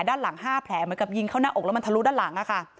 ด้านหลัง๕แผลเหมือนกับยิงเข้าหน้าอกแล้วมันทะลุด้านหลังค่ะ